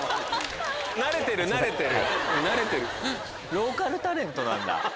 ローカルタレントなんだ。